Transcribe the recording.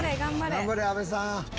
「頑張れ阿部さん」